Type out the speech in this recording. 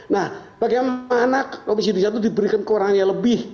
nah bagaimana komisi tiga itu diberikan ke orang yang lebih